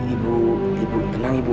ibu ibu tenang ibu